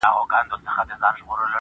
• پېښه د کلي د تاريخ برخه ګرځي ورو ورو,